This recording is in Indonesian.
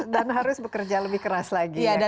dan harus bekerja lebih keras lagi